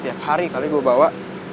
tiap hari kali gue bawa